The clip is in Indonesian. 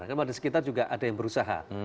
karena warga sekitar juga ada yang berusaha